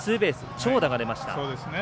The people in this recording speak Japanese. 長打が出ました。